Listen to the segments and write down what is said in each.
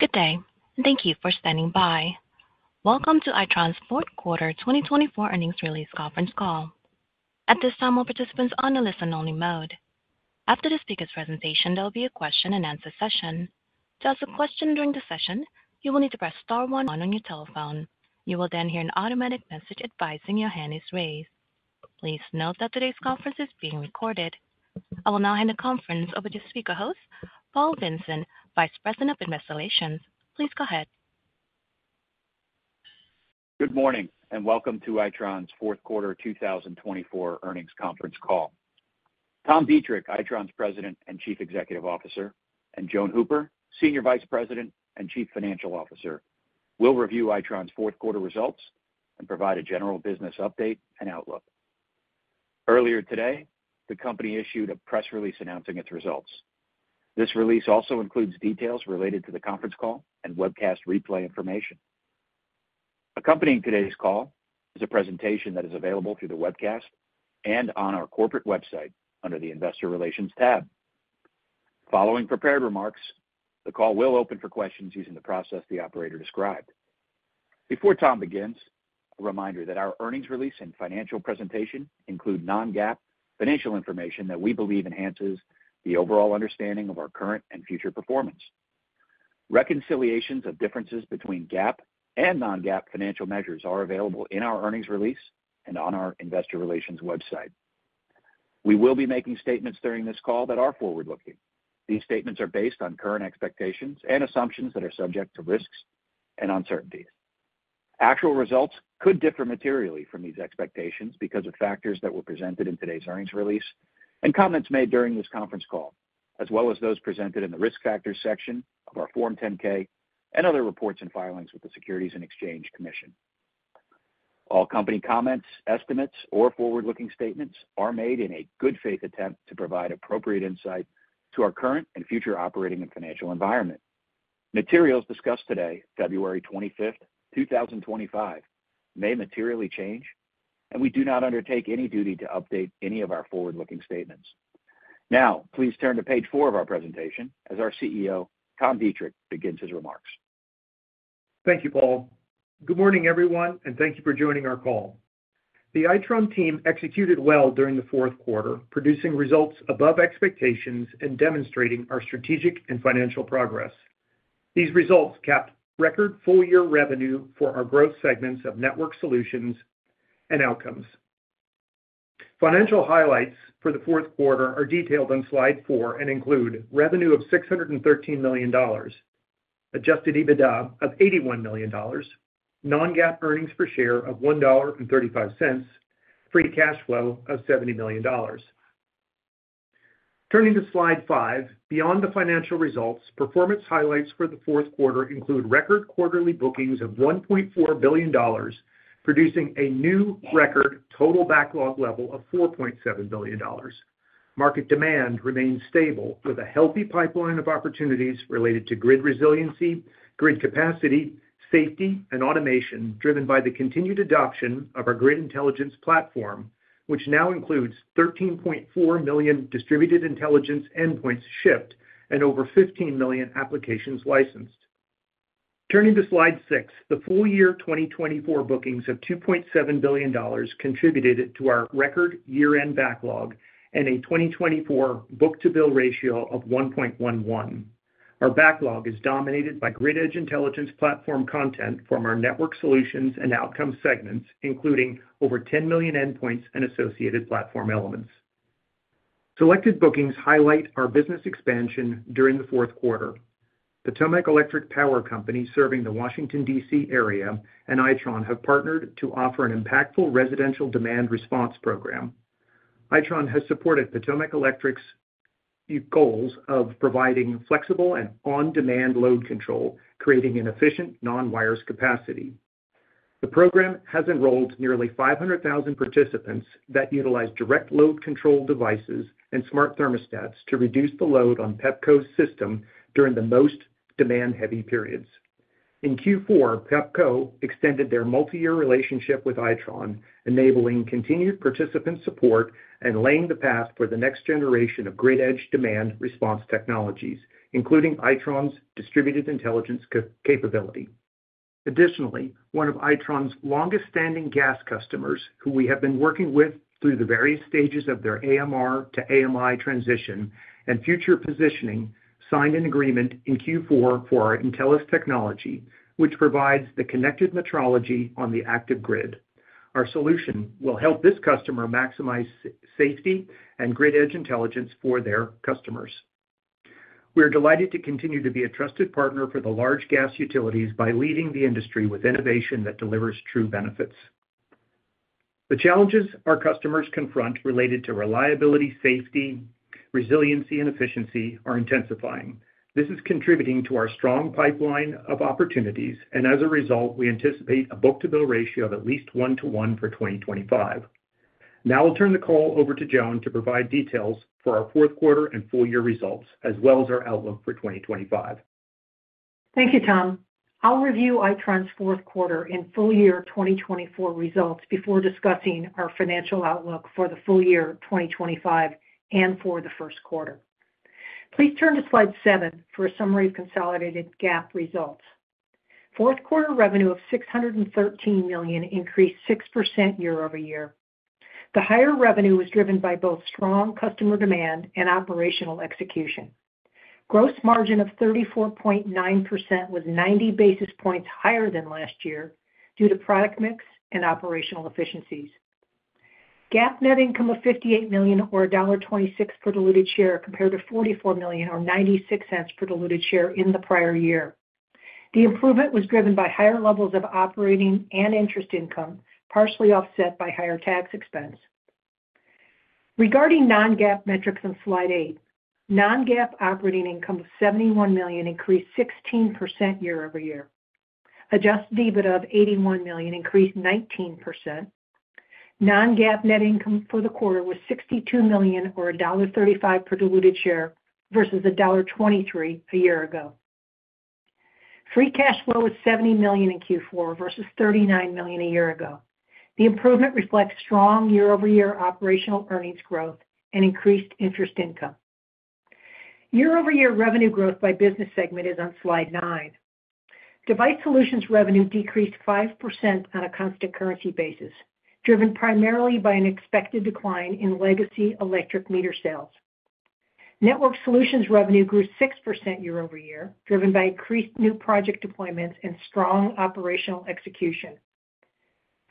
Good day, and thank you for standing by. Welcome to Itron's fourth quarter 2024 earnings release conference call. At this time, all participants are on a listen-only mode. After the speaker's presentation, there will be a question-and-answer session. To ask a question during the session, you will need to press star one on your telephone. You will then hear an automatic message advising your hand is raised. Please note that today's conference is being recorded. I will now hand the conference over to speaker host, Paul Vincent, Vice President of Investor Relations. Please go ahead. Good morning, and welcome to Itron's fourth quarter 2024 earnings conference call. Tom Deitrich, Itron's President and Chief Executive Officer, and Joan Hooper, Senior Vice President and Chief Financial Officer, will review Itron's fourth quarter results and provide a general business update and outlook. Earlier today, the company issued a press release announcing its results. This release also includes details related to the conference call and webcast replay information. Accompanying today's call is a presentation that is available through the webcast and on our corporate website under the Investor Relations tab. Following prepared remarks, the call will open for questions using the process the operator described. Before Tom begins, a reminder that our earnings release and financial presentation include non-GAAP financial information that we believe enhances the overall understanding of our current and future performance. Reconciliations of differences between GAAP and non-GAAP financial measures are available in our earnings release and on our Investor Relations website. We will be making statements during this call that are forward-looking. These statements are based on current expectations and assumptions that are subject to risks and uncertainties. Actual results could differ materially from these expectations because of factors that were presented in today's earnings release and comments made during this conference call, as well as those presented in the risk factors section of our Form 10-K and other reports and filings with the Securities and Exchange Commission. All company comments, estimates, or forward-looking statements are made in a good faith attempt to provide appropriate insight to our current and future operating and financial environment. Materials discussed today, February 25, 2025, may materially change, and we do not undertake any duty to update any of our forward-looking statements. Now, please turn to page four of our presentation as our CEO, Tom Deitrich, begins his remarks. Thank you, Paul. Good morning, everyone, and thank you for joining our call. The Itron team executed well during the fourth quarter, producing results above expectations and demonstrating our strategic and financial progress. These results capped record full-year revenue for our growth segments of Network Solutions and Outcomes. Financial highlights for the fourth quarter are detailed on slide four and include revenue of $613 million, adjusted EBITDA of $81 million, non-GAAP earnings per share of $1.35, and free cash flow of $70 million. Turning to slide five, beyond the financial results, performance highlights for the fourth quarter include record quarterly bookings of $1.4 billion, producing a new record total backlog level of $4.7 billion. Market demand remains stable with a healthy pipeline of opportunities related to grid resiliency, grid capacity, safety, and automation driven by the continued adoption of our Grid Intelligence Platform, which now includes 13.4 million Distributed Intelligence endpoints shipped and over 15 million applications licensed. Turning to slide six, the full-year 2024 bookings of $2.7 billion contributed to our record year-end backlog and a 2024 book-to-bill ratio of 1.11. Our backlog is dominated by Grid Edge Intelligence platform content from our Network Solutions and Outcomes segments, including over 10 million endpoints and associated platform elements. Selected bookings highlight our business expansion during the fourth quarter. Potomac Electric Power Company, serving the Washington, D.C. area, and Itron have partnered to offer an impactful residential demand response program. Itron has supported Potomac Electric's goals of providing flexible and on-demand load control, creating an efficient non-wires capacity. The program has enrolled nearly 500,000 participants that utilize direct load control devices and smart thermostats to reduce the load on Pepco's system during the most demand-heavy periods. In Q4, Pepco extended their multi-year relationship with Itron, enabling continued participant support and laying the path for the next generation of Grid Edge demand response technologies, including Itron's Distributed Intelligence capability. Additionally, one of Itron's longest-standing gas customers, who we have been working with through the various stages of their AMR to AMI transition and future positioning, signed an agreement in Q4 for our Intelis technology, which provides the connected metrology on the active grid. Our solution will help this customer maximize safety and Grid Edge Intelligence for their customers. We are delighted to continue to be a trusted partner for the large gas utilities by leading the industry with innovation that delivers true benefits. The challenges our customers confront related to reliability, safety, resiliency, and efficiency are intensifying. This is contributing to our strong pipeline of opportunities, and as a result, we anticipate a book-to-bill ratio of at least one to one for 2025. Now, I'll turn the call over to Joan to provide details for our fourth quarter and full-year results, as well as our outlook for 2025. Thank you, Tom. I'll review Itron's fourth quarter and full-year 2024 results before discussing our financial outlook for the full-year 2025 and for the first quarter. Please turn to slide seven for a summary of consolidated GAAP results. Fourth quarter revenue of $613 million increased 6% year-over-year. The higher revenue was driven by both strong customer demand and operational execution. Gross margin of 34.9% was 90 basis points higher than last year due to product mix and operational efficiencies. GAAP net income of $58 million or $1.26 per diluted share compared to $44 million or $0.96 per diluted share in the prior year. The improvement was driven by higher levels of operating and interest income, partially offset by higher tax expense. Regarding non-GAAP metrics on slide eight, non-GAAP operating income of $71 million increased 16% year-over-year. Adjusted EBITDA of $81 million increased 19%. Non-GAAP net income for the quarter was $62 million or $1.35 per diluted share versus $1.23 a year ago. Free cash flow was $70 million in Q4 versus $39 million a year ago. The improvement reflects strong year-over-year operational earnings growth and increased interest income. Year-over-year revenue growth by business segment is on slide nine. Device Solutions revenue decreased 5% on a constant currency basis, driven primarily by an expected decline in legacy electric meter sales. Network Solutions revenue grew 6% year-over-year, driven by increased new project deployments and strong operational execution.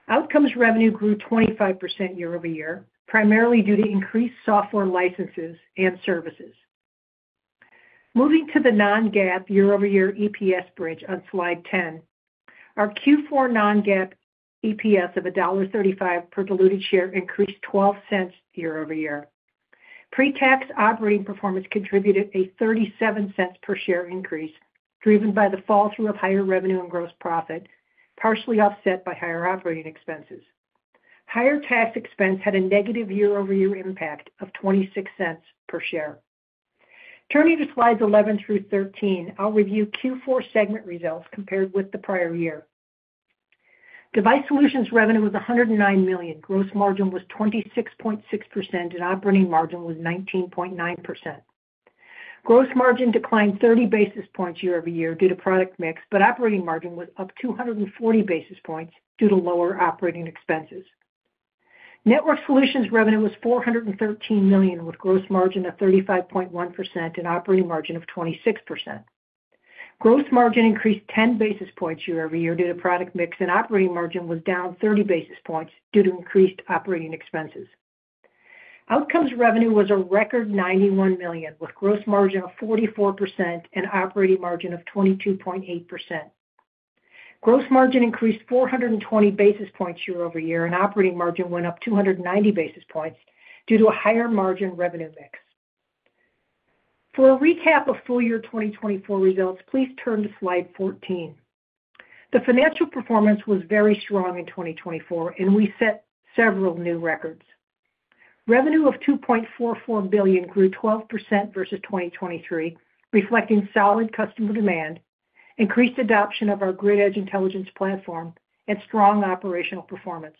Outcomes revenue grew 25% year-over-year, primarily due to increased software licenses and services. Moving to the non-GAAP year-over-year EPS bridge on slide 10, our Q4 non-GAAP EPS of $1.35 per diluted share increased $0.12 year-over-year. Pretax operating performance contributed a $0.37 per share increase, driven by the fall through of higher revenue and gross profit, partially offset by higher operating expenses. Higher tax expense had a negative year-over-year impact of $0.26 per share. Turning to slides 11 through 13, I'll review Q4 segment results compared with the prior year. Device Solutions revenue was $109 million. Gross margin was 26.6%, and operating margin was 19.9%. Gross margin declined 30 basis points year-over-year due to product mix, but operating margin was up 240 basis points due to lower operating expenses. Network Solutions revenue was $413 million, with gross margin of 35.1% and operating margin of 26%. Gross margin increased 10 basis points year-over-year due to product mix, and operating margin was down 30 basis points due to increased operating expenses. Outcomes revenue was a record $91 million, with gross margin of 44% and operating margin of 22.8%. Gross margin increased 420 basis points year-over-year, and operating margin went up 290 basis points due to a higher margin revenue mix. For a recap of full-year 2024 results, please turn to slide 14. The financial performance was very strong in 2024, and we set several new records. Revenue of $2.44 billion grew 12% versus 2023, reflecting solid customer demand, increased adoption of our Grid Edge Intelligence platform, and strong operational performance.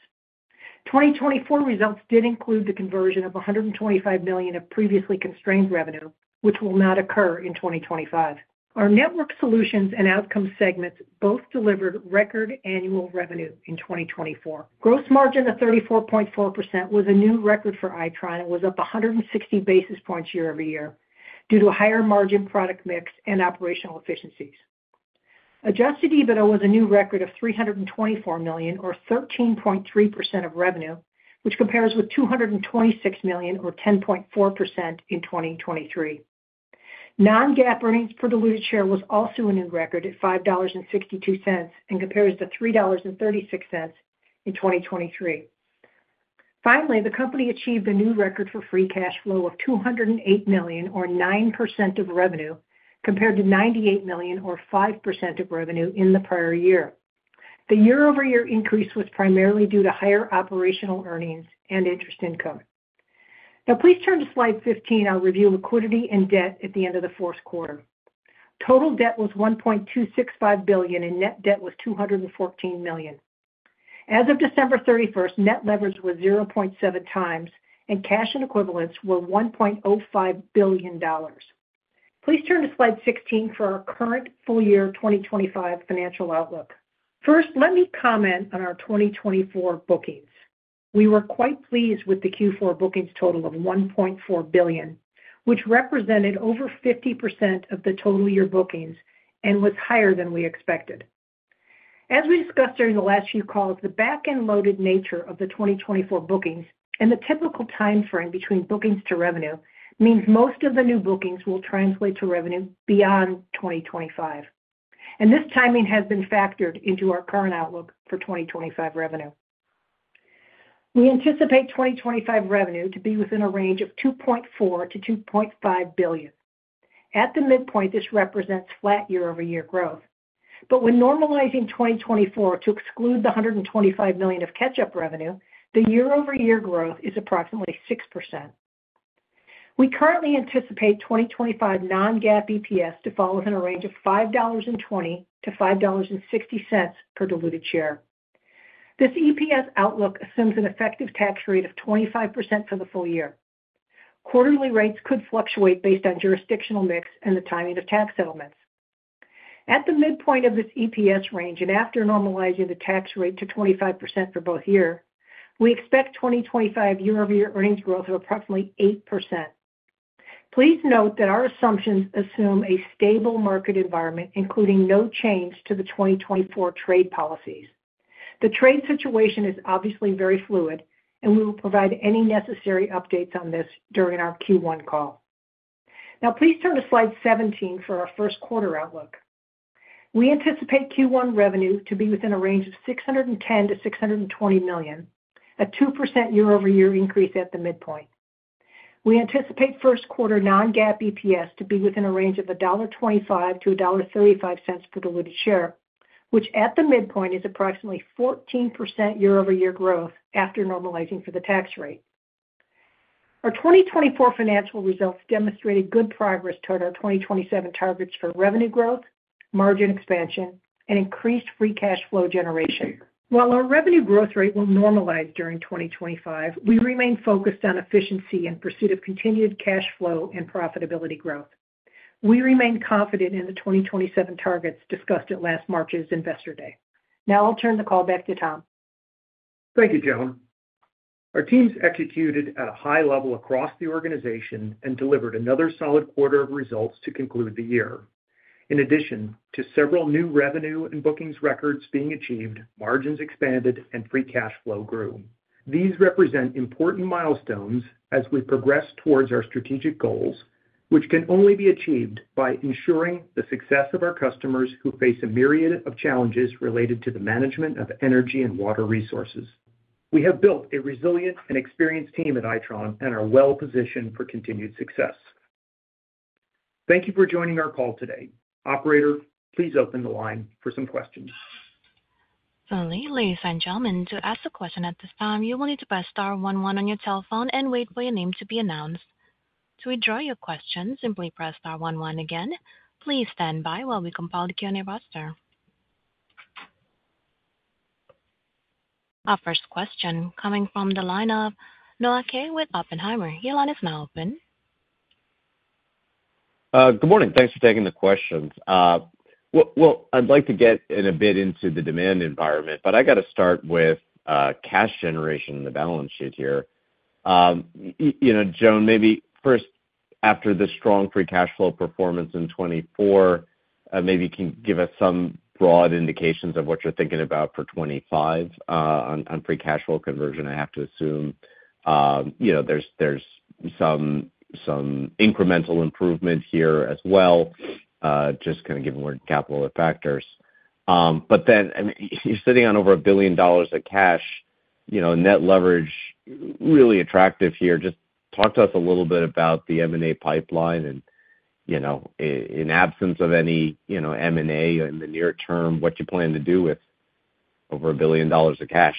2024 results did include the conversion of $125 million of previously constrained revenue, which will not occur in 2025. Our Network Solutions and Outcomes segments both delivered record annual revenue in 2024. Gross margin of 34.4% was a new record for Itron and was up 160 basis points year-over-year due to higher margin product mix and operational efficiencies. Adjusted EBITDA was a new record of $324 million, or 13.3% of revenue, which compares with $226 million, or 10.4% in 2023. Non-GAAP earnings per diluted share was also a new record at $5.62 and compares to $3.36 in 2023. Finally, the company achieved a new record for free cash flow of $208 million, or 9% of revenue, compared to $98 million, or 5% of revenue in the prior year. The year-over-year increase was primarily due to higher operational earnings and interest income. Now, please turn to slide 15. I'll review liquidity and debt at the end of the fourth quarter. Total debt was $1.265 billion, and net debt was $214 million. As of December 31st, net leverage was 0.7x, and cash and equivalents were $1.05 billion. Please turn to slide 16 for our current full-year 2025 financial outlook. First, let me comment on our 2024 bookings. We were quite pleased with the Q4 bookings total of $1.4 billion, which represented over 50% of the total year bookings and was higher than we expected. As we discussed during the last few calls, the back-end loaded nature of the 2024 bookings and the typical timeframe between bookings to revenue means most of the new bookings will translate to revenue beyond 2025. And this timing has been factored into our current outlook for 2025 revenue. We anticipate 2025 revenue to be within a range of $2.4 billion-$2.5 billion. At the midpoint, this represents flat year-over-year growth. But when normalizing 2024 to exclude the $125 million of catch-up revenue, the year-over-year growth is approximately 6%. We currently anticipate 2025 non-GAAP EPS to fall within a range of $5.20-$5.60 per diluted share. This EPS outlook assumes an effective tax rate of 25% for the full year. Quarterly rates could fluctuate based on jurisdictional mix and the timing of tax settlements. At the midpoint of this EPS range and after normalizing the tax rate to 25% for both years, we expect 2025 year-over-year earnings growth of approximately 8%. Please note that our assumptions assume a stable market environment, including no change to the 2024 trade policies. The trade situation is obviously very fluid, and we will provide any necessary updates on this during our Q1 call. Now, please turn to slide 17 for our first quarter outlook. We anticipate Q1 revenue to be within a range of $610 million-$620 million, a 2% year-over-year increase at the midpoint. We anticipate first quarter non-GAAP EPS to be within a range of $1.25-$1.35 per diluted share, which at the midpoint is approximately 14% year-over-year growth after normalizing for the tax rate. Our 2024 financial results demonstrated good progress toward our 2027 targets for revenue growth, margin expansion, and increased free cash flow generation. While our revenue growth rate will normalize during 2025, we remain focused on efficiency in pursuit of continued cash flow and profitability growth. We remain confident in the 2027 targets discussed at last March's Investor Day. Now, I'll turn the call back to Tom. Thank you, Joan. Our teams executed at a high level across the organization and delivered another solid quarter of results to conclude the year. In addition to several new revenue and bookings records being achieved, margins expanded and free cash flow grew. These represent important milestones as we progress towards our strategic goals, which can only be achieved by ensuring the success of our customers who face a myriad of challenges related to the management of energy and water resources. We have built a resilient and experienced team at Itron and are well-positioned for continued success. Thank you for joining our call today. Operator, please open the line for some questions. Please, ladies and gentlemen, to ask a question at this time, you will need to press star one one on your telephone and wait for your name to be announced. To withdraw your question, simply press star one one again. Please stand by while we compile the Q&A roster. Our first question coming from the line of Noah Kaye with Oppenheimer. Your line is now open. Good morning. Thanks for taking the questions. I'd like to get in a bit into the demand environment, but I got to start with cash generation in the balance sheet here. Joan, maybe first, after the strong free cash flow performance in 2024, maybe you can give us some broad indications of what you're thinking about for 2025 on free cash flow conversion. I have to assume there's some incremental improvement here as well, just kind of given where capital factors. But then you're sitting on over $1 billion of cash, net leverage really attractive here. Just talk to us a little bit about the M&A pipeline and in absence of any M&A in the near-term, what you plan to do with over $1 billion of cash.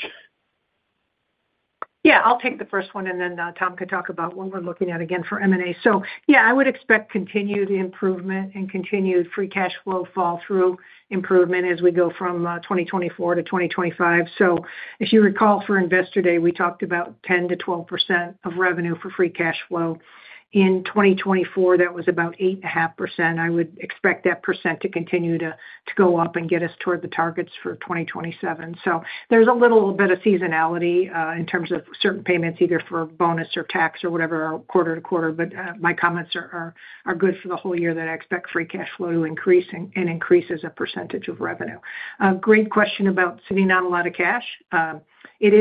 Yeah, I'll take the first one, and then Tom can talk about what we're looking at again for M&A. So yeah, I would expect continued improvement and continued free cash flow flow-through improvement as we go from 2024 to 2025. So if you recall, for Investor Day, we talked about 10%-12% of revenue for free cash flow. In 2024, that was about 8.5%. I would expect that percent to continue to go up and get us toward the targets for 2027. So there's a little bit of seasonality in terms of certain payments, either for bonus or tax or whatever quarter-to-quarter, but my comments are good for the whole year that I expect free cash flow to increase and increase as a percentage of revenue. Great question about sitting on a lot of cash. It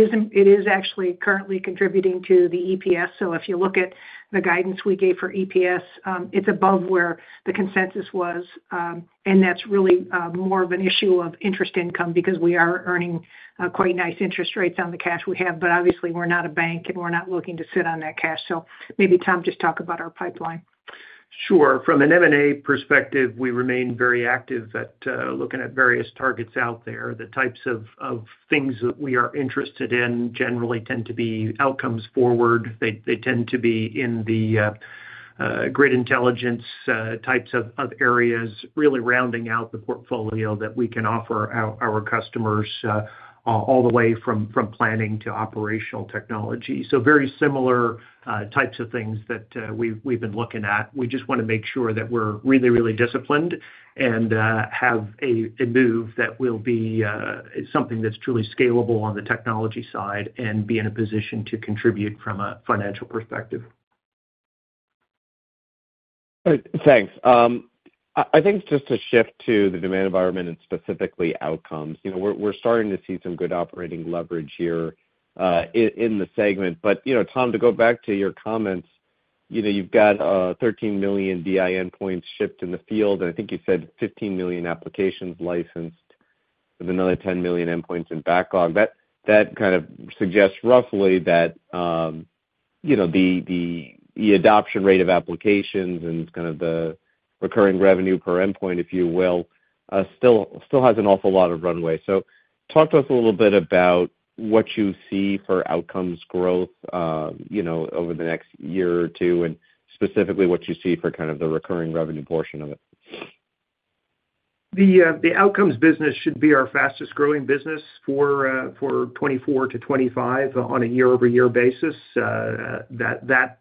is actually currently contributing to the EPS. So if you look at the guidance we gave for EPS, it's above where the consensus was, and that's really more of an issue of interest income because we are earning quite nice interest rates on the cash we have, but obviously, we're not a bank and we're not looking to sit on that cash. So maybe Tom, just talk about our pipeline. Sure. From an M&A perspective, we remain very active at looking at various targets out there. The types of things that we are interested in generally tend to be outcomes forward. They tend to be in the Grid Intelligence types of areas, really rounding out the portfolio that we can offer our customers all the way from planning to operational technology. So very similar types of things that we've been looking at. We just want to make sure that we're really, really disciplined and have a move that will be something that's truly scalable on the technology side and be in a position to contribute from a financial perspective. Thanks. I think just to shift to the demand environment and specifically Outcomes, we're starting to see some good operating leverage here in the segment. Tom, to go back to your comments, you've got 13 million DI endpoints shipped in the field, and I think you said 15 million applications licensed with another 10 million endpoints in backlog. That kind of suggests roughly that the adoption rate of applications and kind of the recurring revenue per endpoint, if you will, still has an awful lot of runway. So talk to us a little bit about what you see for Outcomes growth over the next year or two, and specifically what you see for kind of the recurring revenue portion of it. The Outcomes business should be our fastest growing business for 2024-2025 on a year-over-year basis. That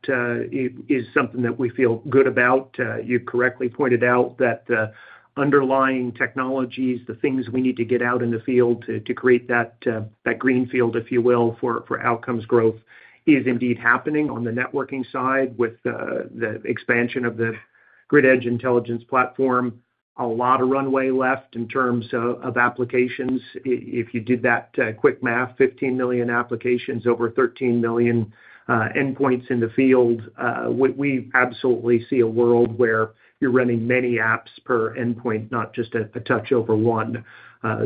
is something that we feel good about. You correctly pointed out that the underlying technologies, the things we need to get out in the field to create that greenfield, if you will, for Outcomes growth is indeed happening on the networking side with the expansion of the Grid Edge Intelligence platform. A lot of runway left in terms of applications. If you did that quick math, 15 million applications over 13 million endpoints in the field. We absolutely see a world where you're running many apps per endpoint, not just a touch over one.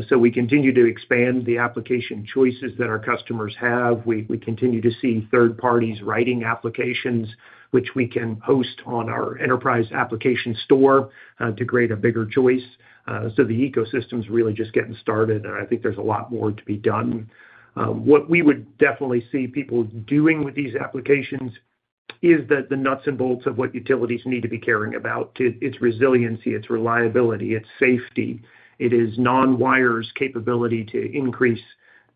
So we continue to expand the application choices that our customers have. We continue to see third-parties writing applications, which we can host on our enterprise application store to create a bigger choice. So the ecosystem's really just getting started, and I think there's a lot more to be done. What we would definitely see people doing with these applications is the nuts and bolts of what utilities need to be caring about: its resiliency, its reliability, its safety. It is non-wires capacity to increase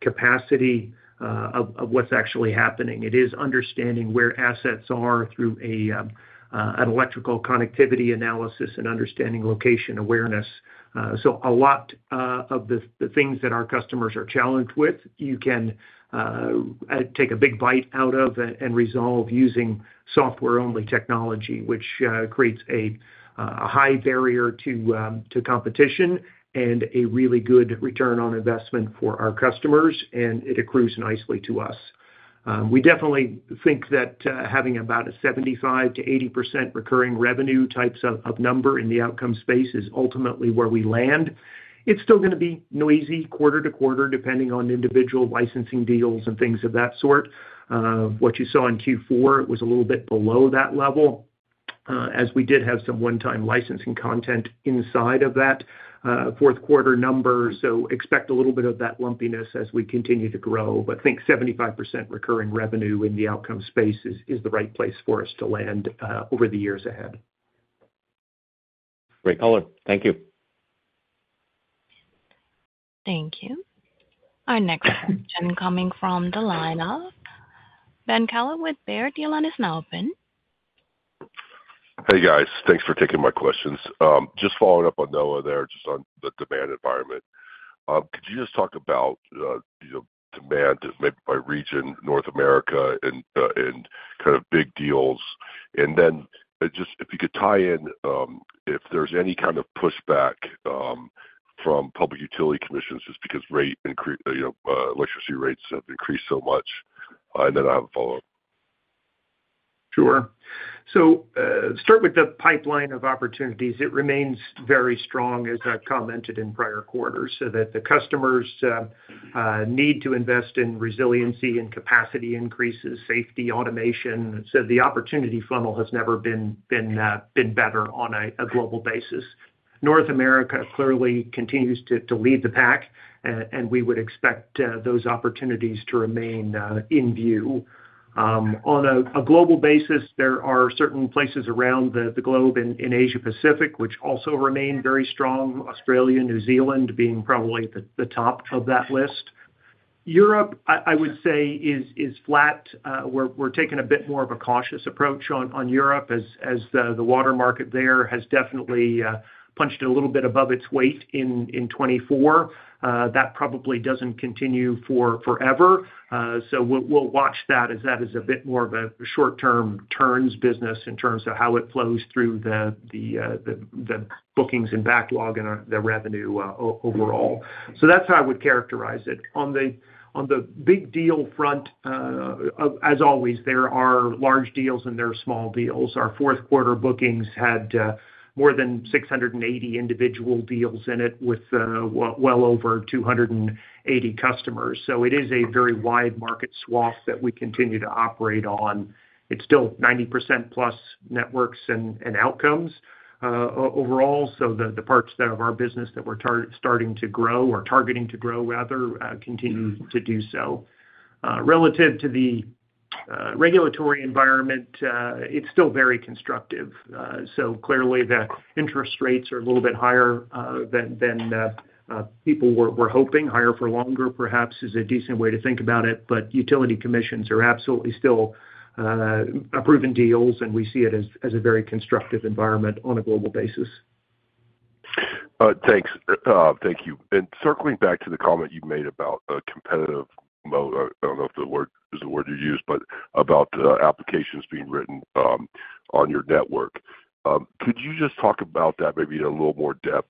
capacity of what's actually happening. It is understanding where assets are through an electrical connectivity analysis and understanding location awareness. So a lot of the things that our customers are challenged with, you can take a big bite out of and resolve using software-only technology, which creates a high barrier to competition and a really good return on investment for our customers, and it accrues nicely to us. We definitely think that having about a 75%-80% recurring revenue types of number in the Outcomes space is ultimately where we land. It's still going to be noisy quarter-to-quarter, depending on individual licensing deals and things of that sort. What you saw in Q4 was a little bit below that level, as we did have some one-time licensing content inside of that fourth quarter number. So expect a little bit of that lumpiness as we continue to grow. But I think 75% recurring revenue in the Outcomes space is the right place for us to land over the years ahead. Great color. Thank you. Thank you. Our next question coming from the line of Ben Kallo with Baird. The line is now open. Hey, guys. Thanks for taking my questions. Just following up on Noah there, just on the demand environment. Could you just talk about demand by region, North America, and kind of big deals? And then just if you could tie in if there's any kind of pushback from Public Utility Commissions just because electricity rates have increased so much? And then I have a follow-up. Sure, start with the pipeline of opportunities. It remains very strong, as I commented in prior quarters, so that the customers need to invest in resiliency and capacity increases, safety, automation, so the opportunity funnel has never been better on a global basis. North America clearly continues to lead the pack, and we would expect those opportunities to remain in view. On a global basis, there are certain places around the globe in Asia-Pacific, which also remain very strong: Australia, New Zealand, being probably at the top of that list. Europe, I would say, is flat. We're taking a bit more of a cautious approach on Europe, as the water market there has definitely punched a little bit above its weight in 2024. That probably doesn't continue forever. So we'll watch that as that is a bit more of a short-term turns business in terms of how it flows through the bookings and backlog and the revenue overall. So that's how I would characterize it. On the big deal front, as always, there are large deals and there are small deals. Our fourth quarter bookings had more than 680 individual deals in it with well over 280 customers. So it is a very wide market swath that we continue to operate on. It's still 90%+ Network and Outcomes overall. So the parts of our business that we're starting to grow or targeting to grow rather continue to do so. Relative to the regulatory environment, it's still very constructive. So clearly, the interest rates are a little bit higher than people were hoping. Higher for longer, perhaps, is a decent way to think about it. But utility commissions are absolutely still approving deals, and we see it as a very constructive environment on a global basis. Thanks. Thank you, and circling back to the comment you made about a competitive moat. I don't know if the word is the word you used, but about applications being written on your network. Could you just talk about that maybe in a little more depth?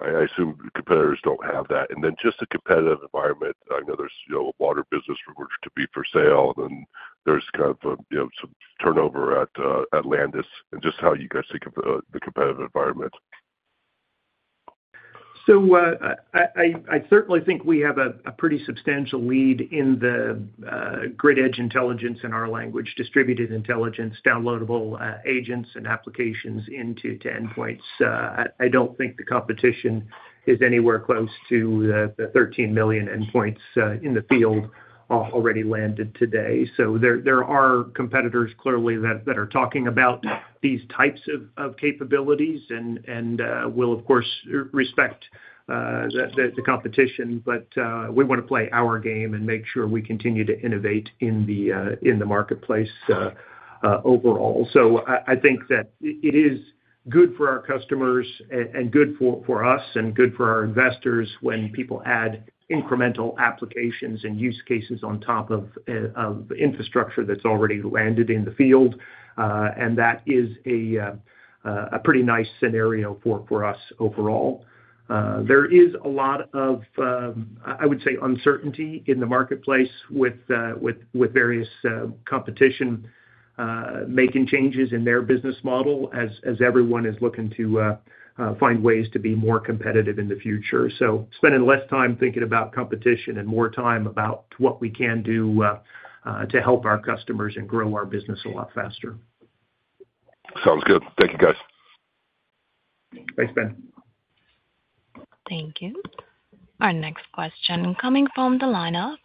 I assume competitors don't have that, and then just the competitive environment. I know there's a water business rumored to be for sale, and then there's kind of some turnover at Landis, and just how you guys think of the competitive environment? So I certainly think we have a pretty substantial lead in the Grid Edge Intelligence in our language, Distributed Intelligence, downloadable agents and applications into endpoints. I don't think the competition is anywhere close to the 13 million endpoints in the field already landed today. So there are competitors clearly that are talking about these types of capabilities and will, of course, respect the competition. We want to play our game and make sure we continue to innovate in the marketplace overall. So I think that it is good for our customers and good for us and good for our investors when people add incremental applications and use cases on top of infrastructure that's already landed in the field. And that is a pretty nice scenario for us overall. There is a lot of, I would say, uncertainty in the marketplace with various competition making changes in their business model as everyone is looking to find ways to be more competitive in the future, so spending less time thinking about competition and more time about what we can do to help our customers and grow our business a lot faster. Sounds good. Thank you, guys. Thanks, Ben. Thank you. Our next question coming from the line of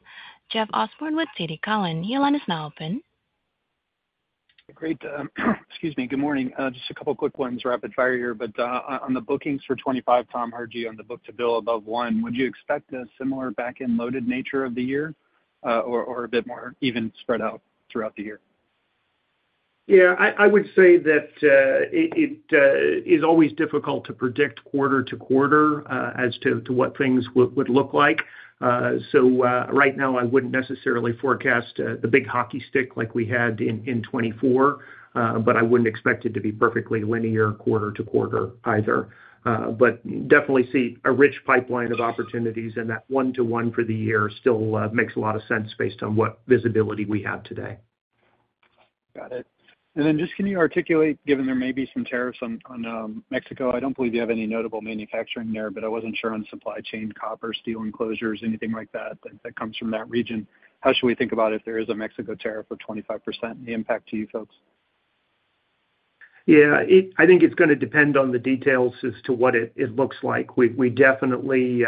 Jeff Osborne with TD Cowen. The line is now open. Great. Excuse me. Good morning. Just a couple of quick ones, rapid fire here. But on the bookings for 2025, Tom, heard you on the book-to-bill above one. Would you expect a similar back-end loaded nature of the year or a bit more even spread out throughout the year? Yeah. I would say that it is always difficult to predict quarter-to-quarter as to what things would look like. Right now, I wouldn't necessarily forecast the big hockey stick like we had in 2024, but I wouldn't expect it to be perfectly linear quarter-to-quarter either. But definitely see a rich pipeline of opportunities, and that one-to-one for the year still makes a lot of sense based on what visibility we have today. Got it. And then just can you articulate, given there may be some tariffs on Mexico? I don't believe you have any notable manufacturing there, but I wasn't sure on supply chain, copper, steel enclosures, anything like that that comes from that region. How should we think about if there is a Mexico tariff of 25% and the impact to you folks? Yeah. I think it's going to depend on the details as to what it looks like. We definitely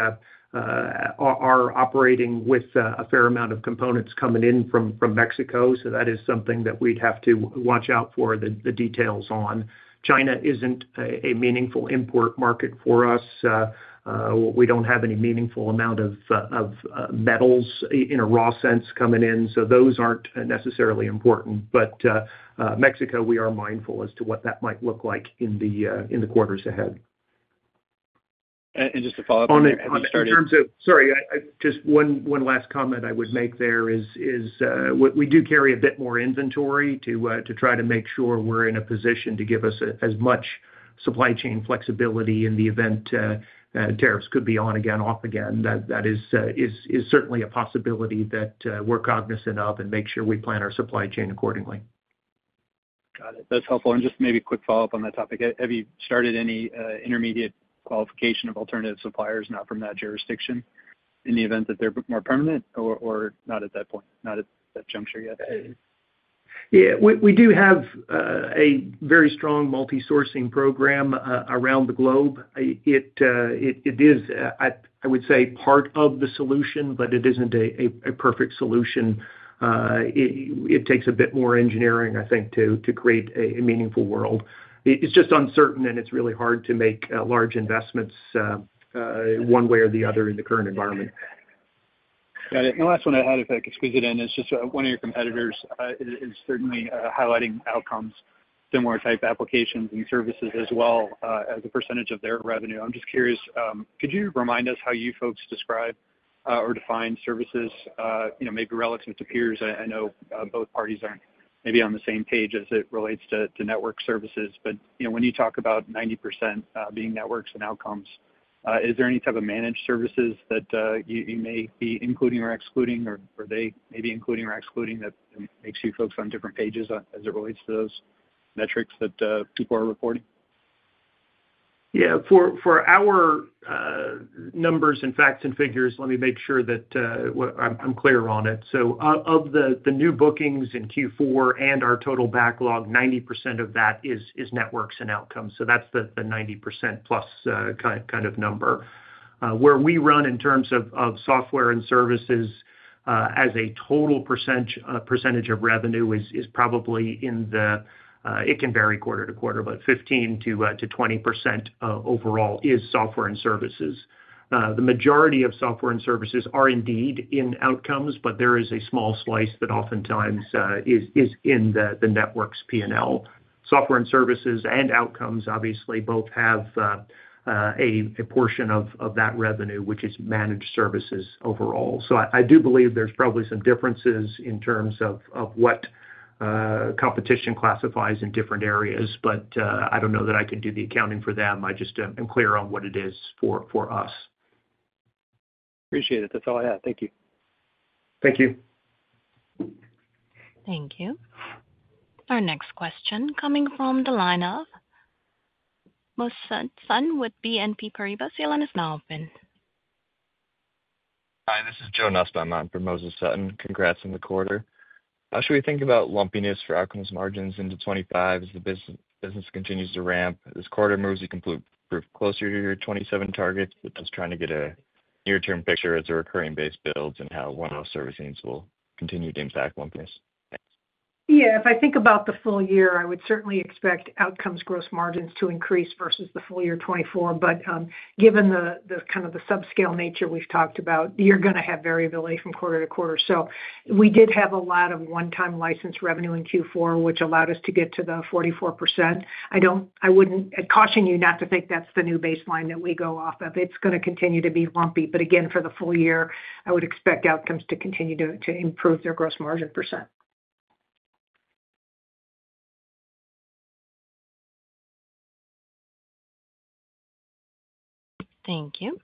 are operating with a fair amount of components coming in from Mexico. So that is something that we'd have to watch out for the details on. China isn't a meaningful import market for us. We don't have any meaningful amount of metals in a raw sense coming in. So those aren't necessarily important. Mexico, we are mindful as to what that might look like in the quarters ahead. Just to follow up on that, I'm sorry. Sorry. Just one last comment I would make there is we do carry a bit more inventory to try to make sure we're in a position to give us as much supply chain flexibility in the event tariffs could be on again, off again. That is certainly a possibility that we're cognizant of and make sure we plan our supply chain accordingly. Got it. That's helpful, and just maybe a quick follow-up on that topic. Have you started any intermediate qualification of alternative suppliers not from that jurisdiction in the event that they're more permanent, or not at that point, not at that juncture yet? Yeah. We do have a very strong multi-sourcing program around the globe. It is, I would say, part of the solution, but it isn't a perfect solution. It takes a bit more engineering, I think, to create a meaningful world. It's just uncertain, and it's really hard to make large investments one way or the other in the current environment. Got it. And the last one I had, if I could squeeze it in, is just one of your competitors is certainly highlighting Outcomes, similar type applications and services as well as a percentage of their revenue. I'm just curious, could you remind us how you folks describe or define services maybe relative to peers? I know both parties aren't maybe on the same page as it relates to network services. But when you talk about 90% being Network and Outcomes, is there any type of managed services that you may be including or excluding, or are they maybe including or excluding that makes you folks on different pages as it relates to those metrics that people are reporting? Yeah. For our numbers and facts and figures, let me make sure that I'm clear on it. So of the new bookings in Q4 and our total backlog, 90% of that is Network and Outcomes. So that's the 90%+ kind of number. Where we run in terms of software and services as a total percentage of revenue is probably in the, it can vary quarter-to-quarter, but 15%-20% overall is software and services. The majority of software and services are indeed in Outcomes, but there is a small slice that oftentimes is in the Networks P&L. Software and services and Outcomes, obviously, both have a portion of that revenue, which is managed services overall. So I do believe there's probably some differences in terms of what competition classifies in different areas, but I don't know that I can do the accounting for them. I just am clear on what it is for us. Appreciate it. That's all I had. Thank you. Thank you. Thank you. Our next question coming from the line of Moses Sutton with BNP Paribas. The line is now open. Hi. This is Joe Nussbaum for Moses Sutton. Congrats on the quarter. How should we think about lumpiness for Outcomes margins into 2025 as the business continues to ramp. This quarter moves you closer to your 2027 targets, but just trying to get a near-term picture as the recurring base builds and how one-off service needs will continue to impact lumpiness. Thanks. Yeah. If I think about the full year, I would certainly expect Outcomes gross margins to increase versus the full year 2024. But given the kind of the subscale nature we've talked about, you're going to have variability from quarter-to-quarter. So we did have a lot of one-time license revenue in Q4, which allowed us to get to the 44%. I wouldn't caution you not to think that's the new baseline that we go off of. It's going to continue to be lumpy. But again, for the full year, I would expect Outcomes to continue to improve their gross margin percent. Thank you.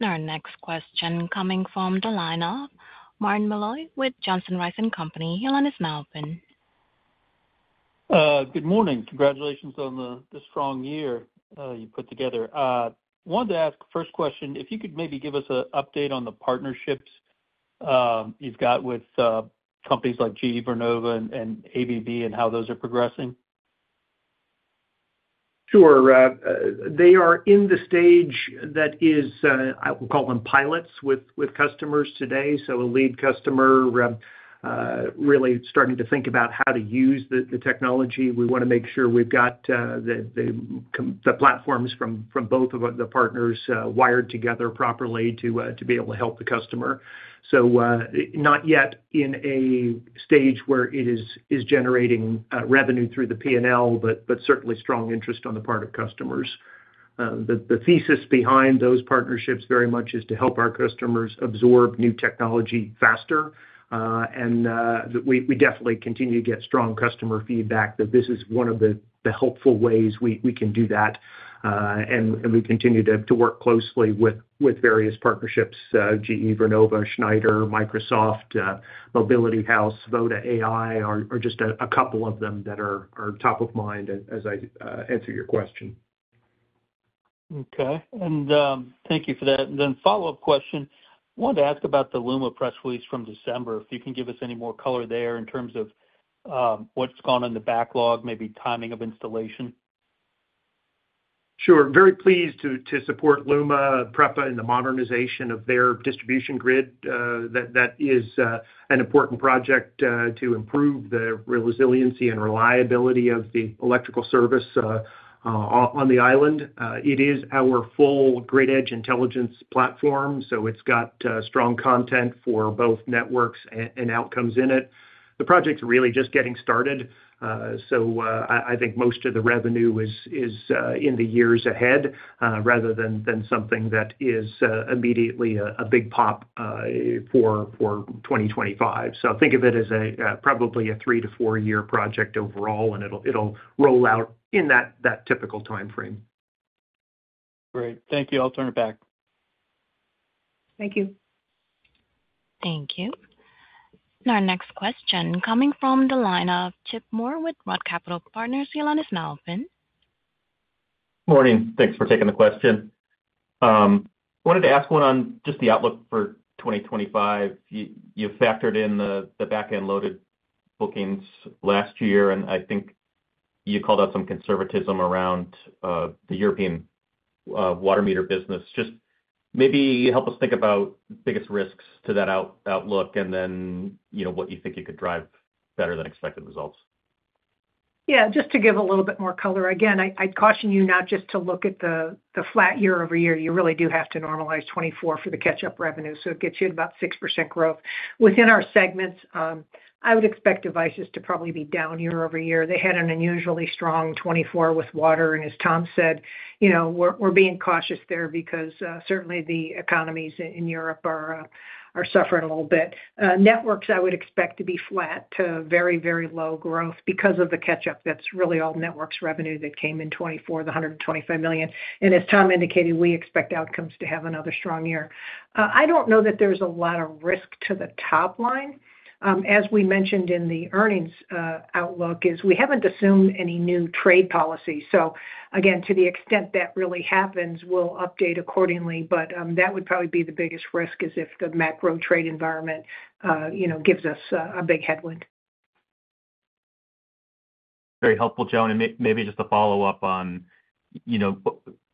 And our next question coming from the line of Marty Malloy with Johnson Rice & Company. The line is now open. Good morning. Congratulations on the strong year you put together. I wanted to ask first question, if you could maybe give us an update on the partnerships you've got with companies like GE Vernova, and ABB and how those are progressing. Sure. They are in the stage that is, I will call them, pilots with customers today, so a lead customer really starting to think about how to use the technology. We want to make sure we've got the platforms from both of the partners wired together properly to be able to help the customer, so not yet in a stage where it is generating revenue through the P&L, but certainly strong interest on the part of customers. The thesis behind those partnerships very much is to help our customers absorb new technology faster. And we definitely continue to get strong customer feedback that this is one of the helpful ways we can do that, and we continue to work closely with various partnerships: GE Vernova, Schneider, Microsoft, The Mobility House, VODA.ai, or just a couple of them that are top of mind as I answer your question. Okay. And thank you for that. And then follow-up question. I wanted to ask about the LUMA press release from December, if you can give us any more color there in terms of what's gone on the backlog, maybe timing of installation. Sure. Very pleased to support LUMA and PREPA in the modernization of their distribution grid. That is an important project to improve the resiliency and reliability of the electrical service on the island. It is our full Grid Edge Intelligence platform. So it's got strong content for both Networks and Outcomes in it. The project's really just getting started. So I think most of the revenue is in the years ahead rather than something that is immediately a big pop for 2025. So think of it as probably a three to four-year project overall, and it'll roll out in that typical timeframe. Great. Thank you. I'll turn it back. Thank you. Thank you. Our next question coming from the line of Chip Moore with Roth Capital Partners. The line is now open. Morning. Thanks for taking the question. I wanted to ask one on just the outlook for 2025. You factored in the back-end loaded bookings last year, and I think you called out some conservatism around the European water meter business. Just maybe help us think about the biggest risks to that outlook and then what you think you could drive better than expected results. Yeah. Just to give a little bit more color. Again, I'd caution you not just to look at the flat year-over-year. You really do have to normalize 2024 for the catch-up revenue. So it gets you at about 6% growth. Within our segments, I would expect Devices to probably be down year over year. They had an unusually strong 2024 with water. And as Tom said, we're being cautious there because certainly the economies in Europe are suffering a little bit. Networks, I would expect to be flat to very, very low growth because of the catch-up. That's really all Networks revenue that came in 2024, the $125 million. And as Tom indicated, we expect Outcomes to have another strong year. I don't know that there's a lot of risk to the top line. As we mentioned in the earnings outlook, we haven't assumed any new trade policy. So again, to the extent that really happens, we'll update accordingly. That would probably be the biggest risk is if the macro trade environment gives us a big headwind. Very helpful, Joan. And maybe just a follow-up on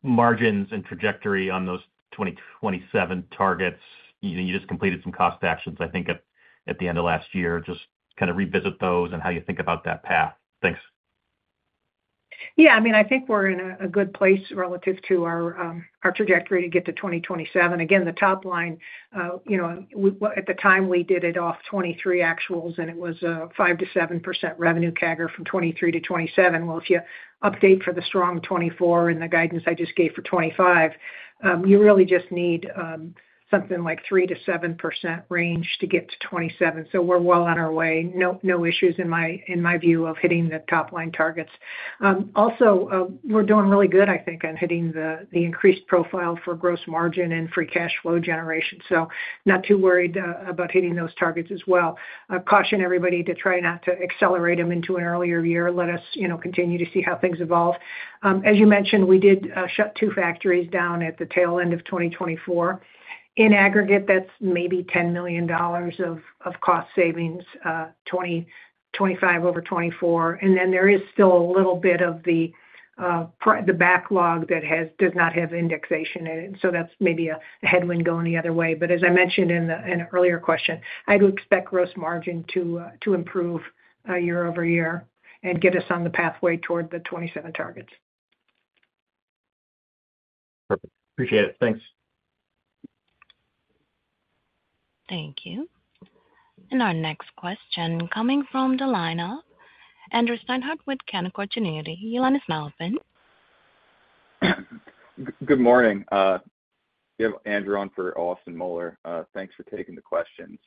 margins and trajectory on those 2027 targets. You just completed some cost actions, I think, at the end of last year. Just kind of revisit those and how you think about that path. Thanks. Yeah. I mean, I think we're in a good place relative to our trajectory to get to 2027. Again, the top line, at the time, we did it off 2023 actuals, and it was a 5%-7% revenue CAGR from 2023 to 2027. Well, if you update for the strong 2024 and the guidance I just gave for 2025, you really just need something like 3%-7% range to get to 2027. So we're well on our way. No issues in my view of hitting the top line targets. Also, we're doing really good, I think, in hitting the increased profile for gross margin and free cash flow generation. So not too worried about hitting those targets as well. Caution everybody to try not to accelerate them into an earlier year. Let us continue to see how things evolve. As you mentioned, we did shut two factories down at the tail end of 2024. In aggregate, that's maybe $10 million of cost savings, 2025 over 2024. And then there is still a little bit of the backlog that does not have indexation in it. So that's maybe a headwind going the other way. But as I mentioned in an earlier question, I do expect gross margin to improve year-over-year and get us on the pathway toward the 2027 targets. Perfect. Appreciate it. Thanks. Thank you. And our next question coming from the line of Andrew Steinhardt with Canaccord Genuity. Your line is now open. Good morning. Andrew on for Austin Moeller. Thanks for taking the questions.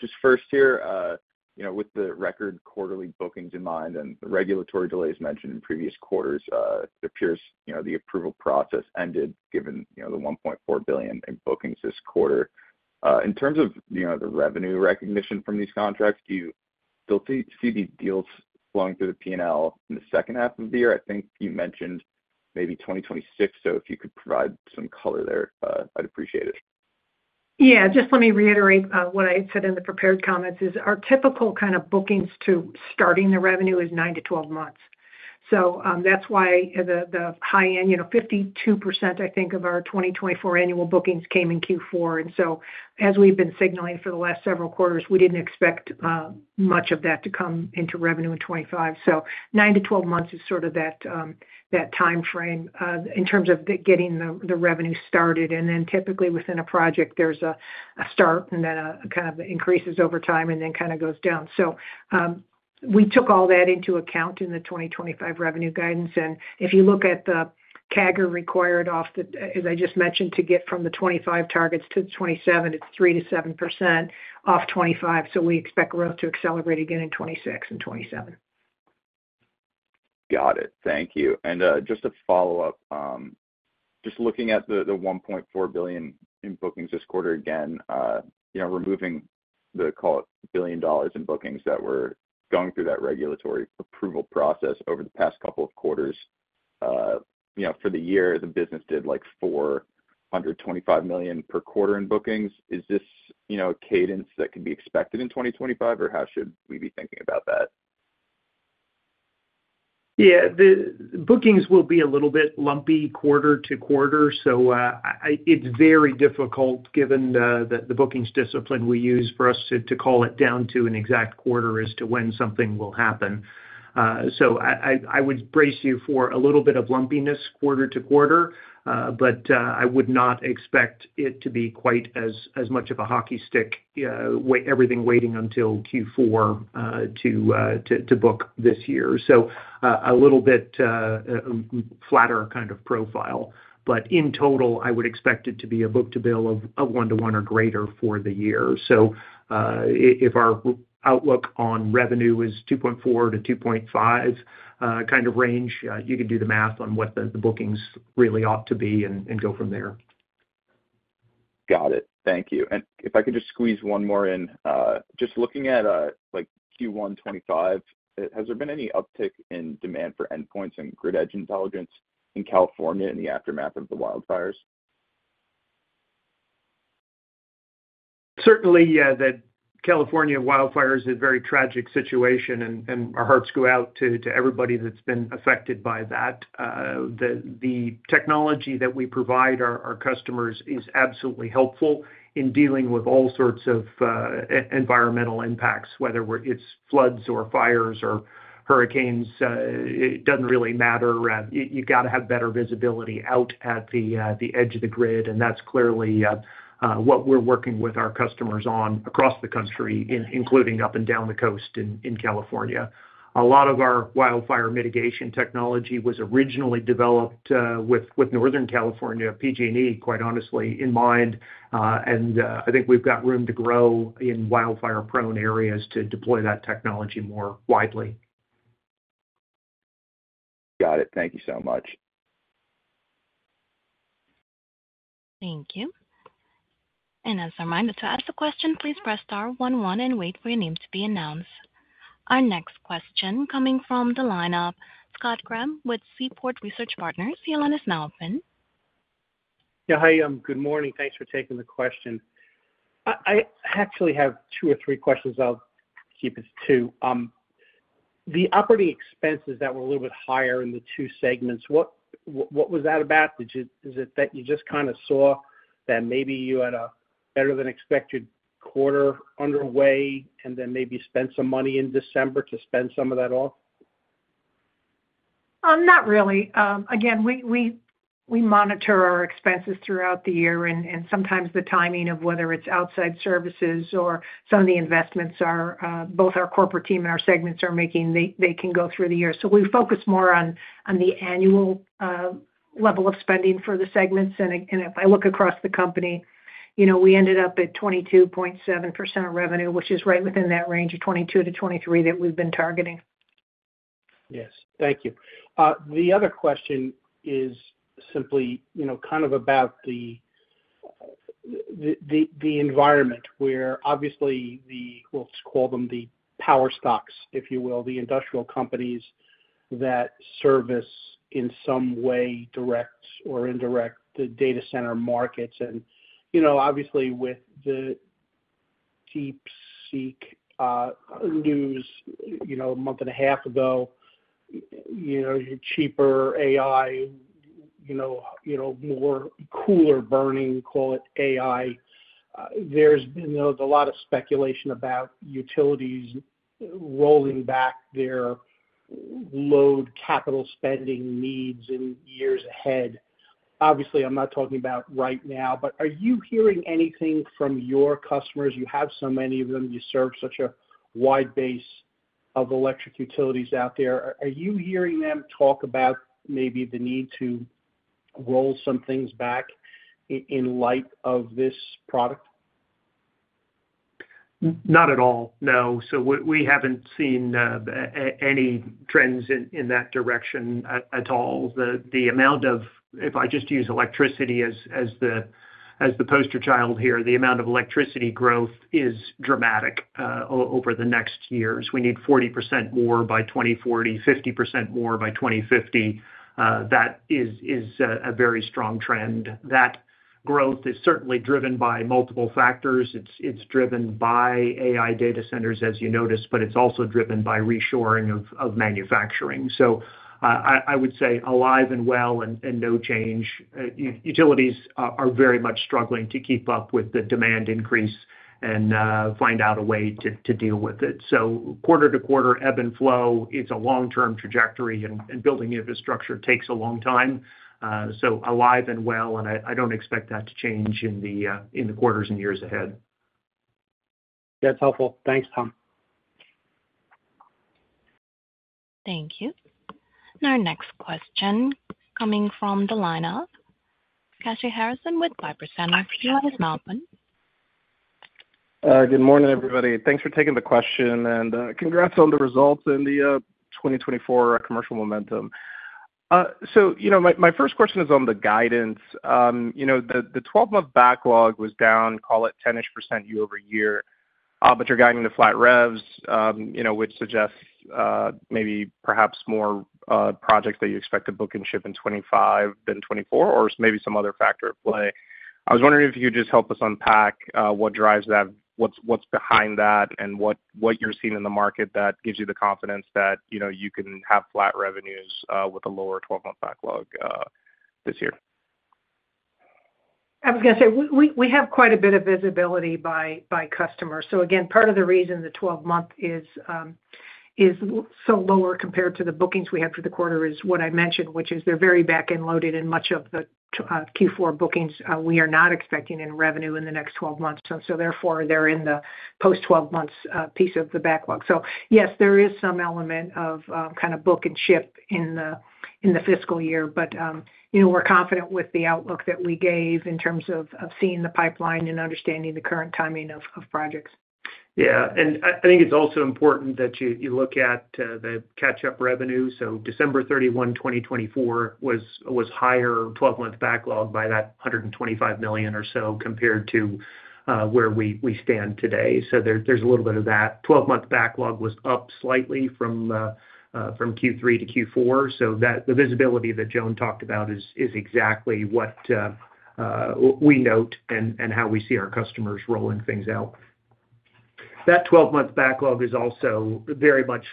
Just first here, with the record quarterly bookings in mind and the regulatory delays mentioned in previous quarters, it appears the approval process ended given the $1.4 billion in bookings this quarter. In terms of the revenue recognition from these contracts, do you still see these deals flowing through the P&L in the second half of the year. I think you mentioned maybe 2026. So if you could provide some color there, I'd appreciate it. Yeah. Just let me reiterate what I said in the prepared comments is our typical kind of bookings to starting the revenue is nine to 12 months. So that's why the high end, 52%, I think, of our 2024 annual bookings came in Q4. And so as we've been signaling for the last several quarters, we didn't expect much of that to come into revenue in 2025. So nine to 12 months is sort of that timeframe in terms of getting the revenue started. And then typically within a project, there's a start and then it kind of increases over time and then kind of goes down. So we took all that into account in the 2025 revenue guidance. And if you look at the CAGR required off the, as I just mentioned, to get from the 2025 targets to the 2027, it's 3%-7% off 2025. We expect growth to accelerate again in 2026 and 2027. Got it. Thank you. And just a follow-up, just looking at the $1.4 billion in bookings this quarter again, removing the, call it, $1 billion in bookings that were going through that regulatory approval process over the past couple of quarters, for the year, the business did like $425 million per quarter in bookings. Is this a cadence that could be expected in 2025, or how should we be thinking about that? Yeah. The bookings will be a little bit lumpy quarter-to-quarter. So it's very difficult given the bookings discipline we use for us to call it down to an exact quarter as to when something will happen. So I would brace you for a little bit of lumpiness quarter-to-quarter, but I would not expect it to be quite as much of a hockey stick, everything waiting until Q4 to book this year. So a little bit flatter kind of profile. But in total, I would expect it to be a book-to-bill of one to one or greater for the year. So if our outlook on revenue is $2.4 billion-$2.5 billion kind of range, you can do the math on what the bookings really ought to be and go from there. Got it. Thank you. And if I could just squeeze one more in, just looking at Q1 2025, has there been any uptick in demand for endpoints and Grid Edge Intelligence in California in the aftermath of the wildfires? Certainly, yeah, that California wildfires is a very tragic situation, and our hearts go out to everybody that's been affected by that. The technology that we provide our customers is absolutely helpful in dealing with all sorts of environmental impacts, whether it's floods or fires or hurricanes. It doesn't really matter. You've got to have better visibility out at the edge of the grid, and that's clearly what we're working with our customers on across the country, including up and down the Coast in California. A lot of our wildfire mitigation technology was originally developed with Northern California, PG&E, quite honestly, in mind, and I think we've got room to grow in wildfire-prone areas to deploy that technology more widely. Got it. Thank you so much. Thank you. And as a reminder to ask the question, please press star one one and wait for your name to be announced. Our next question coming from the line of Scott Graham with Seaport Research Partners. Your line is now open. Yeah. Hi, good morning. Thanks for taking the question. I actually have two or three questions. I'll keep it to the operating expenses that were a little bit higher in the two segments. What was that about, Is it that you just kind of saw that maybe you had a better-than-expected quarter underway and then maybe spent some money in December to spend some of that off? Not really. Again, we monitor our expenses throughout the year, and sometimes the timing of whether it's outside services or some of the investments both our corporate team and our segments are making, they can go through the year. So we focus more on the annual level of spending for the segments. And if I look across the company, we ended up at 22.7% of revenue, which is right within that range of 22%-23% that we've been targeting. Yes. Thank you. The other question is simply kind of about the environment where, obviously, we'll just call them the power stocks, if you will, the industrial companies that service in some way, direct or indirect, the data center markets. And obviously, with the DeepSeek news a month and a half ago, cheaper AI, more coal-burning, call it AI, there's been a lot of speculation about utilities rolling back their load capital spending needs in years ahead. Obviously, I'm not talking about right now, but are you hearing anything from your customers? You have so many of them. You serve such a wide base of electric utilities out there. Are you hearing them talk about maybe the need to roll some things back in light of this product? Not at all, no. So we haven't seen any trends in that direction at all. The amount of, if I just use electricity as the poster child here, the amount of electricity growth is dramatic over the next years. We need 40% more by 2040, 50% more by 2050. That is a very strong trend. That growth is certainly driven by multiple factors. It's driven by AI data centers, as you noticed, but it's also driven by reshoring of manufacturing. So I would say alive and well and no change. Utilities are very much struggling to keep up with the demand increase and find out a way to deal with it. So quarter-to-quarter, ebb and flow is a long-term trajectory, and building infrastructure takes a long time. So alive and well, and I don't expect that to change in the quarters and years ahead. That's helpful. Thanks, Tom. Thank you. And our next question coming from the line of Kashy Harrison with Piper Sandler. The line is now open. Good morning, everybody. Thanks for taking the question, and congrats on the results and the 2024 commercial momentum. So my first question is on the guidance. The 12-month backlog was down, call it 10-ish percent year-over-year, but you're guiding the flat revs, which suggests maybe perhaps more projects that you expect to book and ship in 2025 than 2024, or maybe some other factor at play. I was wondering if you could just help us unpack what drives that, what's behind that, and what you're seeing in the market that gives you the confidence that you can have flat revenues with a lower 12-month backlog this year. I was going to say we have quite a bit of visibility by customers. So again, part of the reason the 12-month is so lower compared to the bookings we had for the quarter is what I mentioned, which is they're very back-end loaded, and much of the Q4 bookings we are not expecting in revenue in the next 12 months. And so therefore, they're in the post-12-months piece of the backlog. So yes, there is some element of kind of book and ship in the fiscal year, but we're confident with the outlook that we gave in terms of seeing the pipeline and understanding the current timing of projects. Yeah. And I think it's also important that you look at the catch-up revenue. So December 31, 2024, was higher 12-month backlog by that $125 million or so compared to where we stand today. So there's a little bit of that. 12-month backlog was up slightly from Q3 to Q4. So the visibility that Joan talked about is exactly what we note and how we see our customers rolling things out. That 12-month backlog is also very much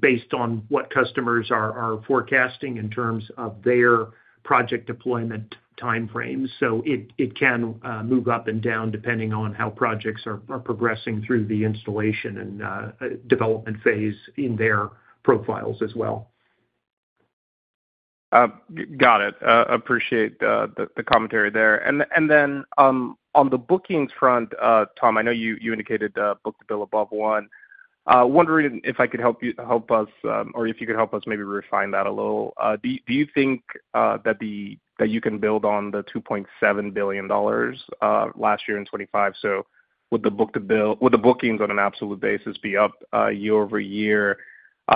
based on what customers are forecasting in terms of their project deployment timeframes. So it can move up and down depending on how projects are progressing through the installation and development phase in their profiles as well. Got it. Appreciate the commentary there. And then on the bookings front, Tom, I know you indicated book-to-bill above one. Wondering if you could help us or if you could help us maybe refine that a little. Do you think that you can build on the $2.7 billion last year in 2025? So would the book-to-bill, would the bookings on an absolute basis be up year-over-year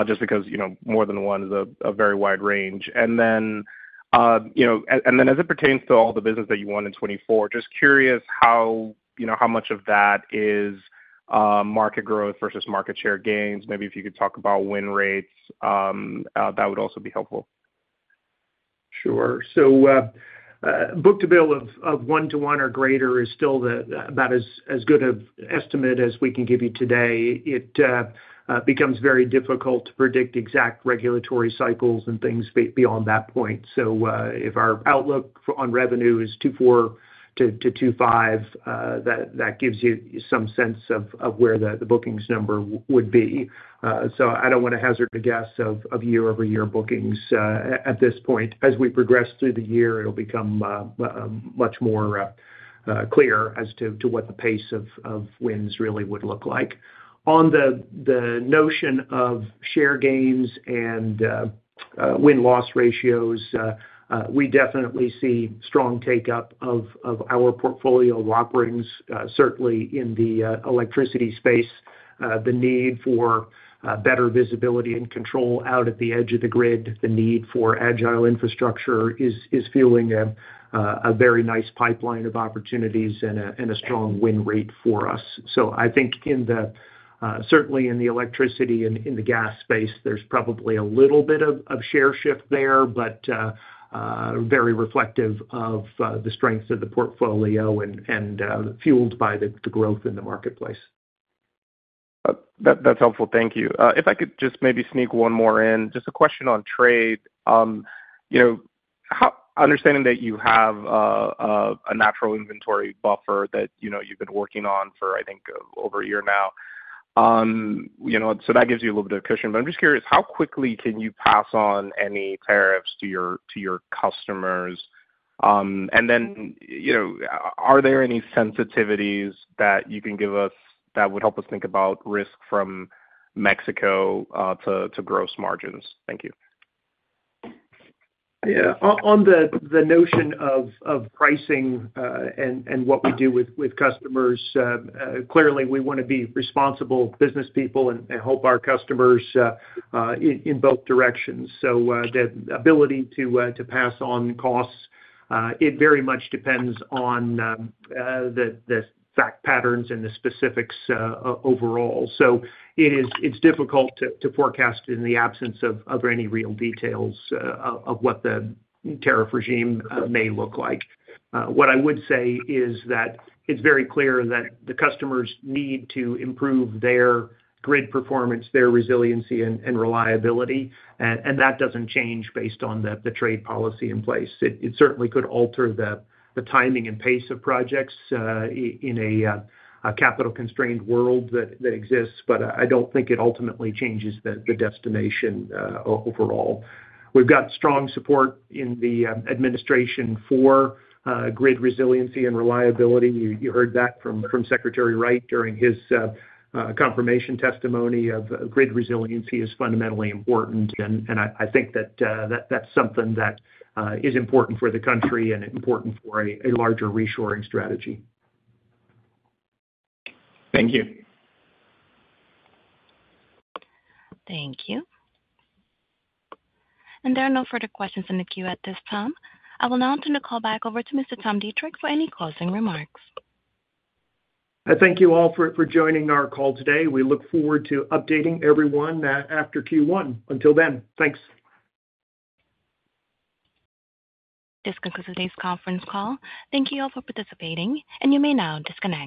just because more than one is a very wide range. And then as it pertains to all the business that you want in 2024, just curious how much of that is market growth versus market share gains. Maybe if you could talk about win rates, that would also be helpful. Sure. So book-to-bill of one to one or greater is still about as good an estimate as we can give you today. It becomes very difficult to predict exact regulatory cycles and things beyond that point. So if our outlook on revenue is 2024-2025, that gives you some sense of where the bookings number would be. So I don't want to hazard a guess of year-over-year bookings at this point. As we progress through the year, it'll become much more clear as to what the pace of wins really would look like. On the notion of share gains and win-loss ratios, we definitely see strong take-up of our portfolio of offerings, certainly in the electricity space. The need for better visibility and control out at the edge of the grid, the need for agile infrastructure is fueling a very nice pipeline of opportunities and a strong win rate for us, so I think certainly in the electricity and in the gas space, there's probably a little bit of share shift there, but very reflective of the strength of the portfolio and fueled by the growth in the marketplace. That's helpful. Thank you. If I could just maybe sneak one more in, just a question on trade. Understanding that you have a natural inventory buffer that you've been working on for, I think, over a year now. So that gives you a little bit of cushion. But I'm just curious, how quickly can you pass on any tariffs to your customers? And then are there any sensitivities that you can give us that would help us think about risk from Mexico to gross margins? Thank you. Yeah. On the notion of pricing and what we do with customers, clearly, we want to be responsible businesspeople and help our customers in both directions. So the ability to pass on costs, it very much depends on the fact patterns and the specifics overall. So it's difficult to forecast in the absence of any real details of what the tariff regime may look like. What I would say is that it's very clear that the customers need to improve their grid performance, their resiliency, and reliability. And that doesn't change based on the trade policy in place. It certainly could alter the timing and pace of projects in a capital-constrained world that exists, but I don't think it ultimately changes the destination overall. We've got strong support in the administration for grid resiliency and reliability. You heard that from Secretary Wright during his confirmation testimony of grid resiliency is fundamentally important, and I think that that's something that is important for the country and important for a larger reshoring strategy. Thank you. Thank you. And there are no further questions in the queue at this time. I will now turn the call back over to Mr. Tom Deitrich for any closing remarks. Thank you all for joining our call today. We look forward to updating everyone after Q1. Until then, thanks. This concludes today's conference call. Thank you all for participating, and you may now disconnect.